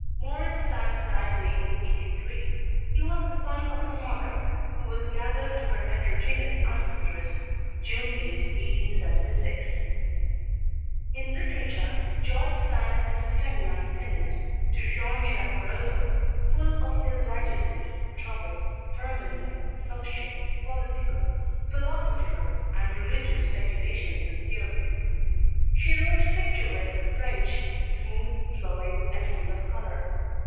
Maurice Sand died in 1883. He was the son of his mother, who was gathered to her heterogeneous ancestors June 8, 1876. In literature George Sand is a feminine pendant to Jean Jacques Rousseau, full of ill digested, troubled, fermenting, social, political, philosophical and religious speculations and theories. She wrote picturesque French, smooth, flowing and full of color.